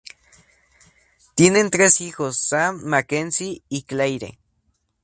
Tienen tres hijos: Sam, Mackenzie y Claire.